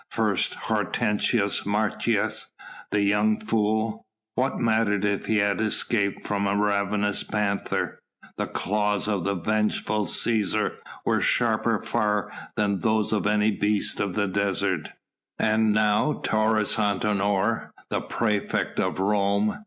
First Hortensius Martius, that young fool! What mattered if he had escaped from a ravenous panther? The claws of a vengeful Cæsar were sharper far than those of any beast of the desert. And now Taurus Antinor! the praefect of Rome!